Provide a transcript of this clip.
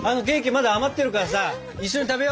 まだ余ってるからさ一緒に食べよう。